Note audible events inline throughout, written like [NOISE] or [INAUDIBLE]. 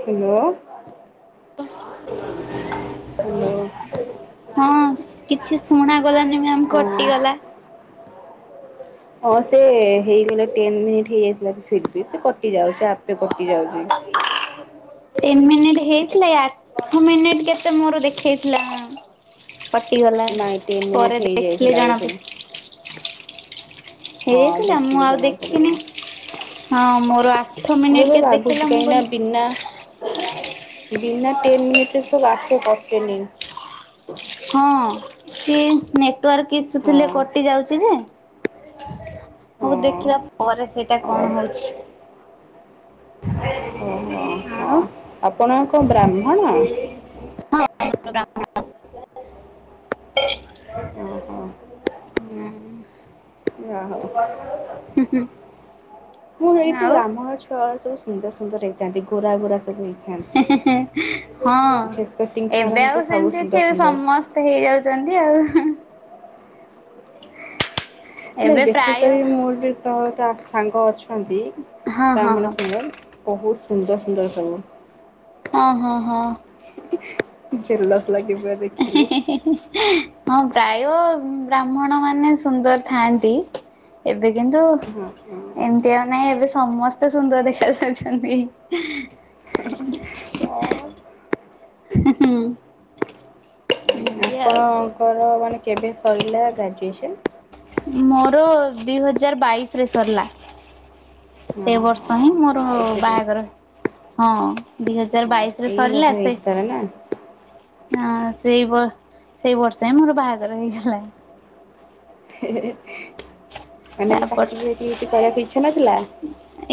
Hello. [UNINTELLIGIBLE] Hello ହଁ, କିଛି ଶୁଣା ଗଲାନି ମ୍ୟାମ୍ ହଁ। କଟିଗଲା। [UNINTELLIGIBLE] ହଁ, ସେ ହେଇଗଲେ ଟେନ୍ ମିନିଟ୍ ହେଇ ଯାଇଥିଲା, ଫିର୍ବି ସେ କଟି ଯାଉଚି ଆ ପେ କଟି ଯାଉଚି। ଟେନ୍ ମିନିଟ୍ ହେଇଥିଲା, ଏ ଆଠ ମିନିଟ୍ କେତେ ମୋର ଦେଖେଇଥିଲା। କଟିଗଲା, ନାଇଁ ଟେନ୍ ମିନିଟ୍ ପରେ ଦେଖିଲେ ହେଇଯାଇଥିଲା ବୋଧେ। ଜଣାପ ହଁ, ହେଇଯାଇଥିଲା ମୁଁ ଦେଖିଲେ ଆଉ ଦେଖିନି। ଜଣାପଡିବ। ହଁ ମୋର ଆଠ ମତେ ମିନିଟ୍ ତ କେତେ ଦେଖେଇଲା ଲାଗୁଚି, ମୁଁ କାହିଁକିନା କହିଲି ବିନା ବିନା ଟେନ୍ ମିନିଟରେ ତ ଆପେ କଟେନି। ହଁ, ସିଏ ନେଟୱାର୍କ ହଁ ଇସୁଥିଲେ କଟି ଯାଉଚି ଯେ ହଉ ଦେଖିବା ହଁ। ପରେ ସେଇଟା ଓ କଣ ହଉଛି? ଆଣୁ ଆପଣଙ୍କ କଣ ବ୍ରାହ୍ମଣ? ହଁ ଓହୋ ଯାହଉ। ମୁଁ ହେଇତି ଆଉ ବ୍ରାହ୍ମଣ ଛୁଆ ଭଳିଆ ସବୁ ସୁନ୍ଦର-ସୁନ୍ଦର ହେଇଥାନ୍ତି, ଗୋରା-ଗୋରା ସବୁ ହେଇଥାନ୍ତି। ହେଁ-ହେଁ-ହେଁ, ଫେସ୍ ହଁ, କଟିଂଠୁ ଏବେ ଆରମ୍ଭ ଆଉ କରି ସବୁ ସେମିତି ଅଛି ସୁନ୍ଦର ଏବେ ସୁନ୍ଦର। ସମସ୍ ତେ ହେଇଯାଚନ୍ତି ଆଉ, ହିଁ। ନାଇଁ ଏବେ ପ୍ରାୟ ବେଶୀକରି ମୋର ବି ତ, ତା ସାଙ୍ଗ ଅଛନ୍ତି ହଁ ହଁ ବ୍ରାହ୍ମଣ ହଁ ସାଙ୍ଗ, ବହୁତ୍ ସୁନ୍ଦର୍-ସୁନ୍ଦର୍ ସବୁ। ହଁ ହଁ ହଁ। ଜେଲସ୍ ଲାଗିିବ ଏ ହେ-ହେ-ହେ ହଁ ପ୍ରାୟ ବ୍ରାହ୍ମଣମାନେ ସୁନ୍ଦର୍ ଥାଆନ୍ତି। ଏବେ କିନ୍ତୁ ହଁ ହଁ। ଏମିତି ଆ ନାଇଁ ଏବେ ସମସ୍ତେ ସୁନ୍ଦର ଦେଖଯାଉଛନ୍ତି। ହିଁ-ହୁଁ। ଆପଣଙ୍କର ମାନେ କେବେ ସରିଲା ଗ୍ରାଜୁଏସନ୍? ମୋର ଦୁଇ ହଜାର ବାଇଶି ରେ ସରିଲା। ସେ ଓହୋ ବର୍ଷ ହିଁ ମୋର ବାଇଶରେ ବାହାଘର ହଁ। ଦିଇ ଓ ହଜାର ବାଇଶିରେ ଏଇ ବର୍ଷ ସରିଲା ସେ ହେଇଛି ତାହେଲେ ନା? ହଁ ସେଇ-ସେଇ ବର୍ ସେଇବର୍ଷ ହିଁ ମୋର ବାହାଘର ହେଇଗଲା। ହେ-ହେ-ହେ ମାନେ ତାପର ଚାକିରି ବାକିରି କିଛି କରିବାକୁ ଇଚ୍ଛା ନଥିଲା?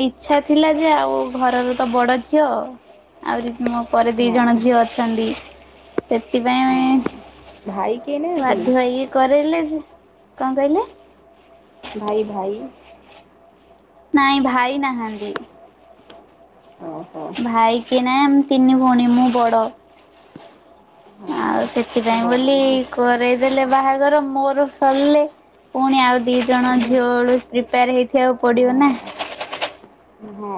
ଇଚ୍ଛା ଥିଲା ଯେ ଆଉ ଘରର ତ ବଡ ଝିଅ ଆହୁରି ମୋ ପରେ ଦି ହଁ ଜଣ ଝିଅ ଅଛନ୍ତି ହଁ। ସେଥିପାଇଁ ଭାଇ କେହି ନାହାନ୍ତି? ବାଧ୍ୟ ହେଇକି କରେଇଲେ ଯେ, କଣ କହିଲେ? ଭାଇ ଭାଇ। ନାଇଁ ଭାଇ ନାହାନ୍ତି। ଓହୋ। ଭାଇ କେହି ନାହିଁ ଆମେ ତିନି ଭଉଣୀ ମୁଁ ବଡ। ଆଉ ହଁ ସେଥିପାଇଁ ବରା ବୋଲି ନା କରେଇଦେଲେ ବାହାଘର ମୋର ସରିଲେ ପୁଣି ଆଉ ଦି ଜଣ ଝିଅବେଳୁ ପ୍ରିପେୟାର ହେଇଥିବାକୁ ପଡିବ ନା। ହଁ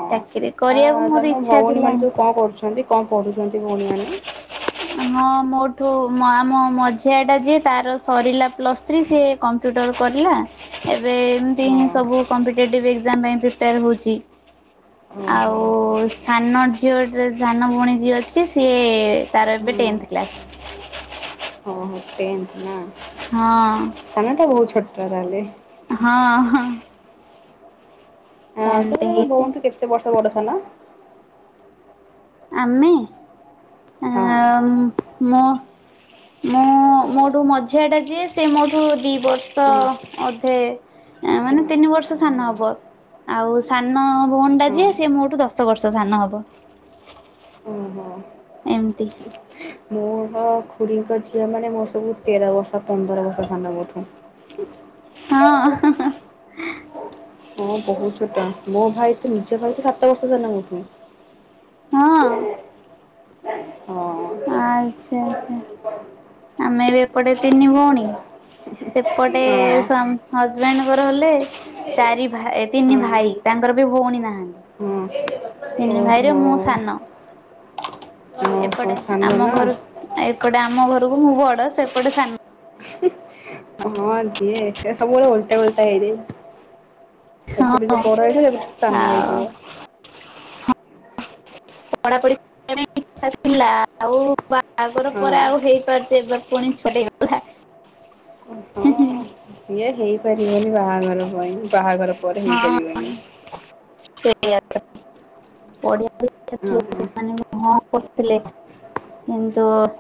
ଚାକିରି ହ କରିବାକୁ ମୋର ତମ ଇଚ୍ଛା ଥିଲା ଭଉଣୀମାନେ ହିଁ। ସବୁ କଣ କରୁଛନ୍ତି କଣ ପଢୁଛନ୍ତି ଭଉଣୀ ମାନେ? ହଁ ମୋଠୁ ଆମ ମଝିଆ ଟା ଯିଏ ତାର ସରିଲା ପ୍ଲସ୍ ଥ୍ରୀ, ସିଏ କମ୍ପ୍ୟୁଟର କରିଲା। ଏବେ ଏମତି ହଁ ହିଁ ସବୁ କମ୍ପିଟେଟିଭ୍ ଏକ୍ଜାମ୍ ପାଇଁ ପ୍ରିପେୟାର ହଉଚି। ଓହୋ ଆଉ ସାନ ଝିଅ ଯେ ସାନ ଭଉଣୀ ଯିଏ ଅଛି ସିଏ ତାର ଏବେ ହଁ ଟେନ୍ଥ କ୍ଲାସ୍। ଓହୋ ଟେନ୍ଥ ନା? ହଁ। ସାନଟା ବହୁତ୍ ଛୋଟଟା ତାହେଲେ? ହଁ-ହଁ। ସାନଟେ ତୁମେ ତମ ହେଇଛି ଭଉଣୀଠୁ କେତେ ବର୍ଷ ବଡ ସାନ? ଆମେ ହଁ ଆଉ ମୁଁ ମୁଁ ମୋଠୁ ମଝିଆଟା ଯିଏ ସେ ମୋଠୁ ଦୁଇ ବର୍ଷ ହଁ ଅଧେ ହଁ ମାନେ ତିନି ବର୍ଷ ସାନ ଓହୋ ହବ। ଆଉ ସାନ ଭଉଣୀଟା ହଁ। ଯିଏ ସିଏ ମୋଠୁ ଦଶ ବର୍ଷ ସାନ ହବ। ଓହୋ ଏମତି। ମୋର ଖୁୁଡିଙ୍କ ଝିଅ ମାନେ ମୋର ସବୁ ତେର ବର୍ଷ ପନ୍ଦର ବର୍ଷ ସାନ ମୋଠୁ। ହଁ। ହଁ ବହୁତ ଛୋଟ ମୋ ଭାଇ ତ ନିଜ ଭାଇ ତ ସାତ ବର୍ଷ ସାନ ମୋଠୁ ହଁ। ହଁ। ଆଚ୍ଛା ଆଚ୍ଛା ଆମେ ବି ଏପଟେ ତିନି ଭଉଣୀ। ସେପଟେ ହଁ ସ୍ଵା ହଜବେଣ୍ଡଙ୍କର ହେଲେ ଚାରି ଭାଇ ତିନି ଭାଇ ତାଙ୍କର ବି ଭଉଣୀ ନାହାନ୍ତି। ହୁଁ। ତିନି ଭାଇରେ ମୁଁ ସାନ ଓହୋ ଏପଟେ ସାନ ଆମ ନା ଘରୁ ଏପଟେ ଆମ ଘରକୁ ମୁଁ ବଡ ସେପଟେ ସାନ। [INAUDIBLE] ହଁ ଯିଏ ସେ ସବୁବେଳେ ଓଲଟା ଓଲଟା ହେଇଯାଏ ଏପଟେ ହଁ। ଯିଏ ବଡ଼ ହେଇଯିବ ସାନ ଆଉ ହେଇଯିବ। [INAUDIBLE] ହଁ [INAUDIBLE] ହଁ। [INAUDIBLE] ହଁ [INAUDIBLE] ହଁ [INAUDIBLE] ହଁ [INAUDIBLE]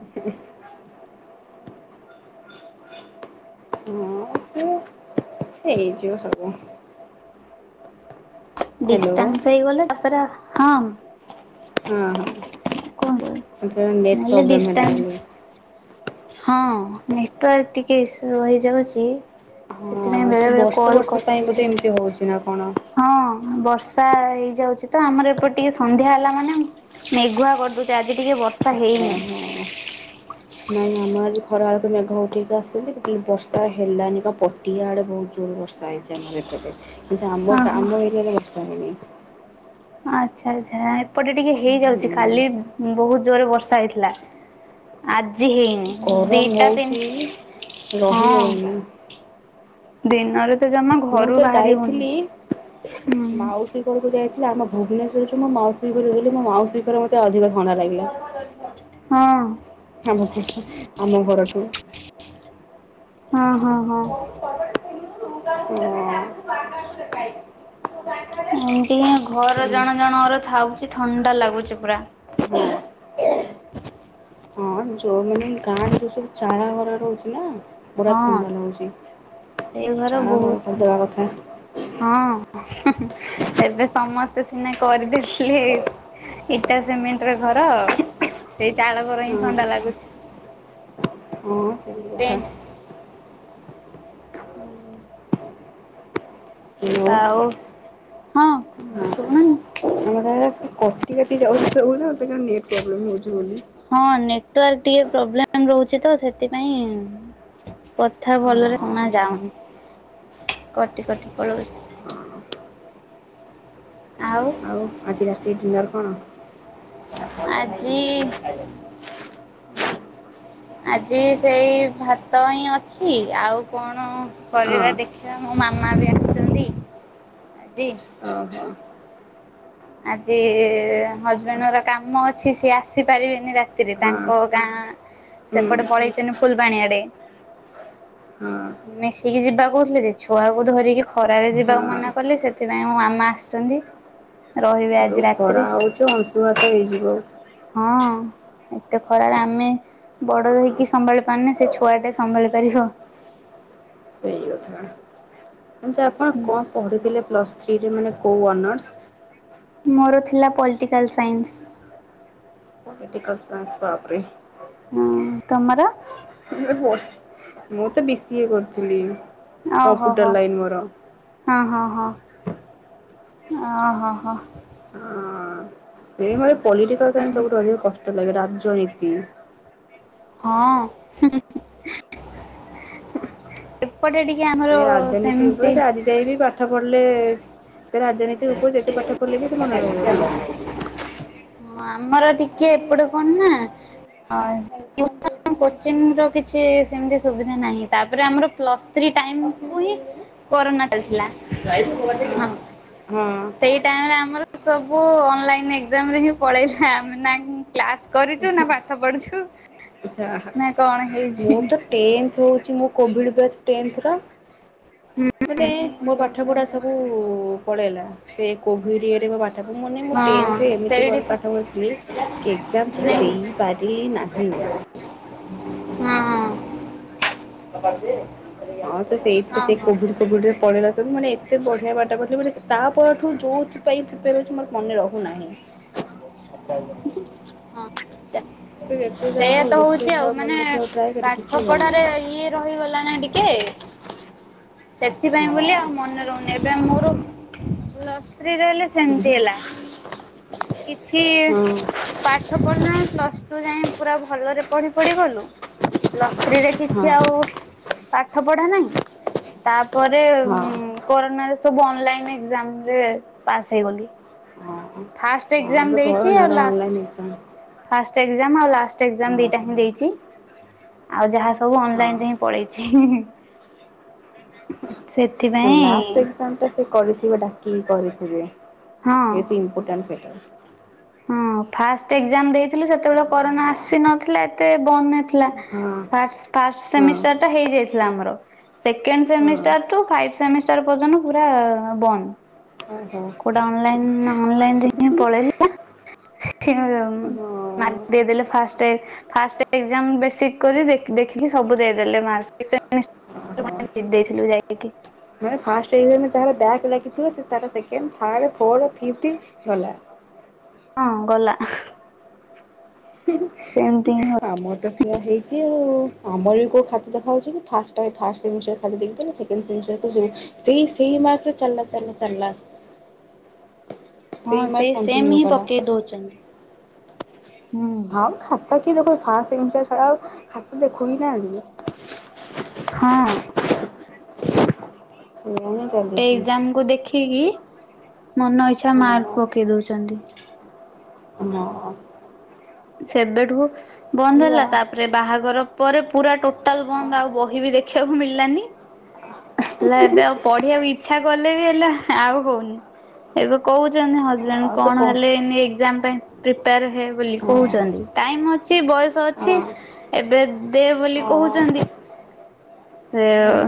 ହଁ [INAUDIBLE] ହ୍ୟାଲୋ। [INAUDIBLE] [INAUDIBLE] କୁହନ୍ତୁ ମୁଁ କହିଲି ଡିଷ୍ଟାନ୍ସ [INAUDIBLE] [INAUDIBLE] ହଁ ସେ ବର୍ଷ ବର୍ଷ ପାଇଁ ବୋଧେ ଏମିତି ହଉଛି ନା କଣ [INAUDIBLE] [INAUDIBLE] [INAUDIBLE] ଓହୋ। [INAUDIBLE] [INAUDIBLE] ହଁ ହଁ [INAUDIBLE] ହୁଁ [INAUDIBLE] [INAUDIBLE] ଗରମ ହଉଛି ରହି ହଉନି [INAUDIBLE] ମୁଁ ତ ଯାଇଥିଲି [INAUDIBLE] [INAUDIBLE] [INAUDIBLE] [INAUDIBLE] [INAUDIBLE] [INAUDIBLE] [INAUDIBLE] [INAUDIBLE] ହଁ। [INAUDIBLE] ହଁ ସେଇ ଘର ବହୁତ [INAUDIBLE] [INAUDIBLE] ହଁ [INAUDIBLE] [INAUDIBLE] [INAUDIBLE] [INAUDIBLE] ହ୍ୟାଲୋ [INAUDIBLE] [INAUDIBLE] [INAUDIBLE] [INAUDIBLE] ହଁ [INAUDIBLE] ହଁ [INAUDIBLE] [INAUDIBLE] ଆଜି ଆଜି ସେଇ ଭାତ ହିଁ ଅଛି, ଆଉ କଣ ହଁ କରିବା ଦେଖିଆ ମୋ ମାମା ବି ଆସିଚନ୍ତି ଆଜି। ଓହୋ, ଆଜି ହଜବେଣ୍ଡ ଙ୍କର କାମ ଅଛି ସିଏ ଆସିପାରିବେନି ରାତିରେ, ହଁ ତାଙ୍କ ଗାଁ ହୁଁ ସେପଟେ ପଳେଇଚନ୍ତି ଫୁଲବାଣୀ ଆଡ଼େ। ହଁ। ମିଶିକି ଯିବା କହୁଥିଲେ ଯେ, ଛୁଆକୁ ଧରିକି ଖରାରେ ଯିବାକୁ ମନା ହଁ। କଲେ ସେଥିପାଇଁ ମୋ ମାମା ଆସିଛନ୍ତି। ରହିବେ ଆ ଯୋଉ ଖରା ହଉଛି ଅଂଶୁଘାତ ହେଇଯିବ। ହଁ। ଏତେ ଖରାରେ ଆମେ ବଡ ହେଇକି ସମ୍ଭାଳି ପାରୁନେ, ସେ ଛୁଆଟା ସମ୍ଭାଳି ପାରିବ। ସେଇ କଥା, କିନ୍ତୁ ଆପଣ କଣ ପଢ଼ୁଥିଲେ ପ୍ଲସ୍ ଥ୍ରୀରେ ମାନେ କୋଉ ଅନର୍ସ? ମୋର ଥିଲା ପଲିଟିକାଲ୍ ସାଇନ୍ସ। ପଲଟାକାଲ ସାଇନ୍ସ ବାବରେ। ହଁ ତମର? [UNINTELLIGIBLE] ମୁଁ ତ ବି ସିଏ କରିଥିଲି। ଓହୋ କମ୍ପ୍ୟୁଟର ହୋ। ଲାଇନ୍ ମୋର। ହଁ, ହଁ, ହଁ, ଓ ହୋ, ହୋ। ହଁ ସେଇ ଭଳି ପଲିଟିକାଲ୍ ସାଇନ୍ସ ସବୁଠୁ ଅଧିକ କଷ୍ଟ ଲାଗେ ରାଜନୀତି। ହଁ। ଏପଟେ ଟିକେ ଆମର ଏ ରାଜନୀତି ଉପରେ ସେମତି ଆଜି ସେ ବି ପାଠ ପଢିଲେ ସେ ରାଜନୀତି ଉପରେ ଯେତେ ପାଠ ପଢ଼ିଲେ ବି ସେ ମନେ ରହିବନି। ହଁ ଆମର ଟିକେ ଏପଟେ କଣ ନା ଅ, [INAUDIBLE] କୋଚିଂ ର କିଛି ସେମିତି ସୁବିଧା ନାହିଁ, ତାପରେ ଆମର ପ୍ଲସ୍ ଥ୍ରୀ ଟାଇମ୍ କୁ ହିଁ କରୋନା ଚାଲିଥିଲା ହଁ। ହଁ। ସେଇ ଟାଇମ୍ ରେ ଆମର ସବୁ ଅନଲାଇନ୍ ଏକ୍ଜାମ୍ ରେ ହିଁ ପଳେଇଲା, ଆମେ ନାନ୍ କ୍ଲାସ୍ କରିଛୁ ନା ପାଠ ପଢୁଛୁ। ଯାହା ନା କଣ ହେଇଛି ମୋଟ ଟେନ୍ଥ ହଉଛି ମୋ କୋଭିଡ୍ ବେଚ୍ ଟେନ୍ଥ ର ମାନେ ମୋ ପା ଠ ପଢା ସବୁ ପଳେଇଲା, ସେ କୋଭିଡ ଇଏରେ ମୋ ପା ଠ ମୁଁ ମାନେ ମୁଁ ହଁ ଟେନ୍ଥରେ ଏମିତି ସେଇଠି ଭଲ ତ ପାଠ ପଢ଼ିଥିଲି। କି ଏକ୍ଜାମ୍ ତ ନାଇଁ ଦେଇ ହିଁ ପାରିଲି ନାହିଁ। ହଁ। ହଁ ସେ ସେଇଠୁ ତ ହଁ ସେଇ ହଁ କୋଭିଡ ଫୋବିଡ୍ ରେ ପଳେଇଲା ତ ମୁଁ ମାନେ ଏତେ ବଢିଆ ପାଠ ପଢିଥିଲେ ମାନେ ସେ ତା ପରଠୁ ଯୋଉଥି ପାଇଁ ପ୍ରିପେୟାର୍ ହଉଛି ମୋର ମନେ ରହୁ ନାହିଁ। ସେ ଯେତେ [INAUDIBLE] ଯାହା ସେଇଆା ହଉ ତ ଯେତେ ହଉଛି ଆଉ ଯାହା ମନେ ମାନେ ରଖିବାକୁ ଟ୍ରାଏ କରେ ପାଠ କିଛି ହଉନି। ପଢାରେ ଇଏ ରହିଗଲା ନା ଟିକେ ସେଥିପାଇଁ ହଁ ବୋଲି ଆଉ ମନେ ରହୁ ଏବେ ମୋର ପ୍ଲସ୍ ଥ୍ରୀ ରେ ହେଲେ ଉଁ, ହୁଁ। କିଛି ପାଠ ପଢିନେ ପ୍ଲସ୍ ଟୁ ଯାଏଁ ପୁରା ଭଲରେ ପଢି ପଢି ଗଲୁ ପ୍ଲସ୍ ଥ୍ରୀରେ କିଛି ହଁ ଆଉ ପାଠ ପଢା ନାହିଁ। ତାପରେ ହଁ ଉଁ, କୋରୋନା ରେ ସବୁ ଅନଲାଇନ୍ ଏକ୍ଜାମ୍ ରେ ପାସ୍ ହେଇଗଲୁ। ହଁ ଫାଷ୍ଟ ହଁ ଏଜ୍ଜାମ୍ ଯୋଉ ଦେଇଚି କହନା ଆଉ online last. Exam first exam ଆଉ ଲାଷ୍ଟ ଏଜ୍ଜାମ୍ ଦିଟା ହିଁ ହଁ ଦେଇଚି। ଆଉ ଯାହା ସବୁ ଅନଲାଇନ୍ ହଁ। ଯାଏଁ ପଳେଇଛି। ସେ ହଁ ଲାଷ୍ଟ ଏଜ୍ଜାମ୍ ଟା ସେ କରିଥିବେ ଡାକି କରିଥିବେ। ଯେହେତୁ ଇନ୍ପୋଟାଣ୍ଟ ସେଟା। ହୁଁ ଫାଷ୍ଟ ଏଜ୍ଜାମ୍ ଦେଇଥିଲୁ ସେତେବେଳେ କରୋନା ଆସି ନଥିଲା ଏତେ ବନ୍ଦ ନଥି ଲା। ହଁ ଫାଷ୍ଟ ଫାଷ୍ଟ ହଁ ସେମିଷ୍ଟାର ଟା ହେଇଯାଇଥିଲା ଆମର। ସେକେଣ୍ଡ ସେମିଷ୍ଟାର ହଁ। ଠୁ ଫାଇଫ୍ ସେମିଷ୍ଟାର ପର୍ଯ୍ୟନ୍ତ ପୁରା ବନ୍ଦ। ହଁ ହଁ। କୋଉଟା ଅନଲାଇନ୍ ଅନଲାଇନ୍ ରେ ହିଁ ପଳେଇଲେ। ଓହୋ ଓହୋ [UNINTELLIGIBLE] ଦେଇଦେଲେ ଫାଷ୍ଟ ଫାଷ୍ଟ ଏଜ୍ଜାମ୍ ବେସିକ୍ କରି ଦେଖିକି ସବୁ ଦେଇଦେଲେ ମାର୍କ। ସେମି ଓହୋ। [UNINTELLIGIBLE] ଦେଇଥିଲୁ ଯାଇକି। ମାନେ ଫାଷ୍ଟ ଏଜ୍ଜାମ୍ ରେ ଯାହାର ବ୍ୟାକ୍ ଲାଗିଥିବ ସେ ତାର ସେକେଣ୍ଡ, ଥାର୍ଡ, ଫୋର, ଫିଫ୍ଥି ଗଲା। ହଁ ଗଲା ସେମତି ଆମର ତ ସେଇଆ ହେଇଚି ଆଉ। ଆମର ବି କୋଉ ଖାତା ଦେଖା ହଉଚି କି। ଫାଷ୍ଟ ଟାଇମ୍ ଫାଷ୍ଟ ସେମିଷ୍ଟର୍ ଖାଲି ଦେଖିଦେଲେ [UNINTELLIGIBLE] ସେଇ ସେଇ ମାର୍କ ରେ ଚାଲିଲା ଚାଲିଲା ଚାଲିଲା। ହଁ ମାର୍କ ସେଇ ସେମ୍ କଣ୍ଟିନ୍ୟୁ ହିଁ କଲା। ପକେଇ ଦଉଛନ୍ତି। ହୁଁ। ଆଉ ଖାତା କିଏ ଦେଖ ଫାଷ୍ଟ ସେମିଷ୍ଟର୍ ଛଡ଼ା ଖାତା ଦେଖୁ ବି ନାହାଁନ୍ତି ବି। ହଁ। କେଇଜାଣି। ଟେ ଏଜ୍ଜାମ୍ କୁୁ ଦେଖିକି ମନ ଇଚ୍ଛା ମାର୍କ ହଁ ପକେଇ ଦଉଚନ୍ତି। [UNINTELLIGIBLE] ସେବେଠୁ ବନ୍ଦ ସେଇଆ ହେଲା। ତା ତାପରେ ବାହାଘର ପରେ ପୁରା ଟୋଟାଲ୍ ବନ୍ଦ। ଆଉ ବହି ବି ଦେଖିବାକୁ ମିଳିଲାନି। ହେଲେ ଏବେ ଆଉ ପଢିବାକୁ ଇଚ୍ଛା କଲେ ବି ହେଲା ଆଉ ହଉନି। ଏବେ କହୁଛନ୍ତି ହଜବେଣ୍ଡ ଆଉ ତୁ କଣ କହ ହେଲେ ଏଇନେ ଏଜ୍ଜାମ୍ ପାଇଁ ପ୍ରିପେୟାର ହେ ବୋଲି। ହଁ କହୁଛନ୍ତି। ଟାଇମ୍ ଅଛି ବୟସ ହଁ ଅଛି। ଏବେ ଦେ ବୋଲି ହଁ କହୁଛନ୍ତି। ସେ ହୁଁ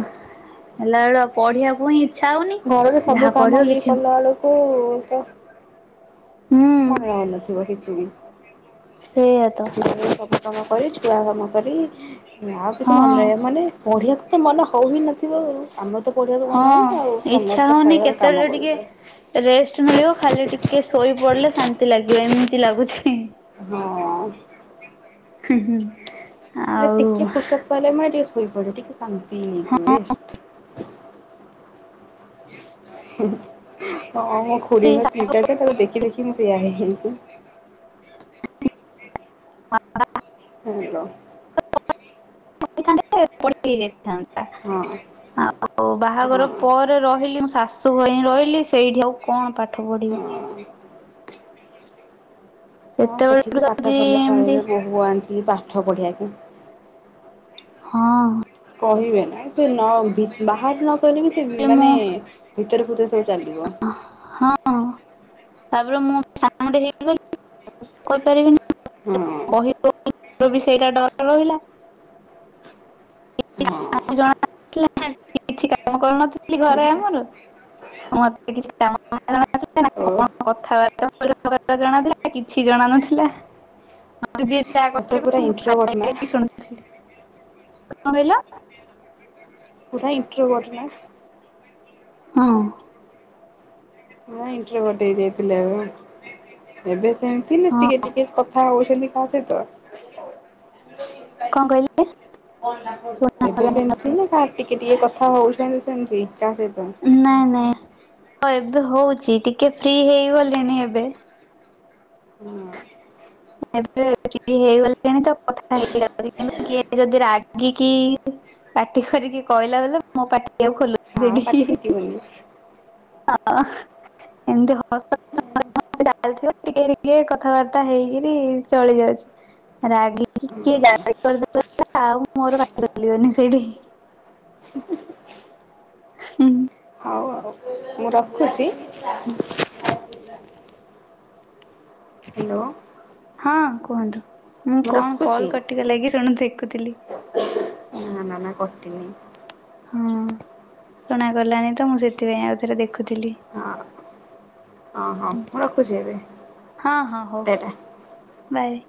ହେଲା ବେଳୁ ପଢିବାକୁ ହିଁ ଇଚ୍ଛା ହଉନି। ଘରରେ ସବୁ ଯାହା କାମ ପଢିବ ଇଏ କିଛି କଲା ବେଳକୁ ତ ହୁଁ ମନେ ରହୁନଥିବ କିଛି ବି। ସେଇଆ ତ। ସବୁ କାମ କରି ଛୁଆ କାମ କରି, ଆଉ କିଛି ମନେ ହଁ। ରହିବ ମାନେ ପଢ଼ିଆକୁ ତ ମନ ହଉ ହି ନଥିବ। ଆମର ତ ପଢିବାକୁ ମନ ହଁ ହଉନି ଆଉ ତମର ଇଚ୍ଛା ତ ହଉନି ଛାଡ କାମ କେତେବେଳେ କରୁଚ। ଟିକେ ରେଷ୍ଟ ମିଳିବ ଖାଲି ଟିକେ ଶୋଇ ପଡ଼ିଲେ ଶାନ୍ତି ଲାଗିବ। ଏମିତି ଲାଗୁଛି। ହଁ। ହୁଁ ହୁଁ। ଆଉ ଟିକେ ଫୁର୍ସତ ପାଇଲେ ମେ ଟିକେ ଶୋଇପଡେ। ଟିକେ ଶାନ୍ତି ହଁ ହେଇଯିବ। ରେଷ୍ଟ୍ ହଁ ମୋ ଖୁୁଡିଙ୍କ ତିନି ଟା ଛୁଆ ତାକୁ ଦେଖି ଦେଖି ମୁଁ ସେଇଆ ହେଇଚି। ହଁ [UNINTELLIGIBLE] [UNINTELLIGIBLE] ହେଇ ଯାଇଥାନ୍ତା। ହଁ। ଆଉ ଓ ହଁ ବାହାଘର ପରେ ରହିଲି ମୁଁ ଶାଶୂଘରେ ହିଁ ରହିଲି, ସେଇଠି ଆଉ କଣ ପାଠ ପଢିବି? ହଁ। ହଁ ସେଠି ସେତେବେଳରୁ ବି ପାଠ ଯଦି ପଢିଲେ ଏମତି କହିବେ, ବୋହୂ ଆଣିିଥିଲି ପାଠ ପଢିବା ପାଇଁ। ହଁ। କହିବେ ନା ସେ ନ ବାହାରେ ନକହିଲେ ବି ସେ ମୁଁ ମାନେ ଭିତରେ ଭିତରେ ସବୁ ଚାଲିବ। ହଁ। ତାପରେ ମୁଁ [UNINTELLIGIBLE] ହଁ କହିବ। [UNINTELLIGIBLE] ବି ସେଇଟା ଡର ରହିଲା। ହଁ। [UNINTELLIGIBLE] କିଛି କାମ କରୁନଥିଲି ଘରେ ଆମର ମତେ କିଛି କାମ ଓ [UNINTELLIGIBLE] କଣ କଥାବାର୍ତ୍ତା [UNINTELLIGIBLE] ଜଣାଥିଲା କିଛି ଜଣା ନଥିଲା ମତେ ଯିଏ ଯାହା ମତେ କହିଲେ ପୁରା ବି ମୁଁ ଇଣ୍ଟ୍ରୋଭଟ୍ ନା ସାଇଲେଣ୍ଟ ହେଇ ଶୁଣୁଥିଲି। କଣ କହିଲ? [UNINTELLIGIBLE] ହଁ। ହଁ ଇଣ୍ଟରଭଟ ହେଇ ଯାଇଥିଲେ ଆମେ। ଏବେ ସେମତି ହଁ ଟିକେ ଟିକେ କଥା ହଉଛନ୍ତି କାହା ସହିତ କଣ କହିଲେ? ଏବେ ଶୁଣାଗଲାନି। ସେମତି ନା କାହା ଟିକେ ଟିକେ କଥା ହଉଛନ୍ତି ସେମତି କାହା ସହିତ? ନାଇଁ ନାଇଁ, ହଁ ଏବେ ହଉଛି ଟିକେ ଫ୍ରି ହେଇଗଲିଣି ଏବେ। ହଁ ଏବେ ଫ୍ରି ହେଇଗଲେଣି ତ କଥା ହେଇଗଲା ପରେ କିନ୍ତୁ କିଏ ଯଦି ରାଗିକି ପାଟି କରିକି କହିଲା ବୋଲେ ମୋ ପାଟି ଆଉ ଖୋଲୁନି ଆଉ ପାଟି ସେଠି। ଫିଟିବନି [INAUDIBLE] ଏମତି କଥାବାର୍ତ୍ତା ଚାଲିଥିବ ଟିକେ ଟିକେ କଥାବାର୍ତ୍ତା ସେଟା ହେଇକିରି ଚଳି ଯାଉଛି। ରାଗିକି କିଏ ଗାଳି କରିଦେବ ବୋଲେ ଆଉ ମୋର ପାଟି ଖୋଲିବନି ସେଇଠି। ହୁଁ। ହଉ ଆଉ ମୁଁ ରଖୁଛି? ହୁଁ। ହ୍ୟାଲୋ ହଁ କୁହନ୍ତୁ। ମୁଁ କଣ କଲ କଟି ଗଲାକି ଶୁଣ ଦେଖୁଥିଲି। ନାଁ ନାଁ କଟିନି। ହଁ ଶୁଣାଗଲାନି ତ ମୁଁ ସେଥିପାଇଁ ଆଉ ଥରେ ଦେଖୁଥିଲି। ହଁ ହଁ ହଁ ମୁଁ ରଖୁଛି ଏବେ, ହଁ ହଁ ହଉ ଟା ଟା। ବାଏ।